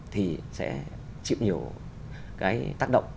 thì sẽ chịu nhiều cái tác động